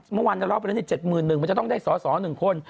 เมื่อวาน๗หมื่นอื่นมันจะต้องได้ศษอหนึ่งคน